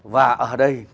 và ở đây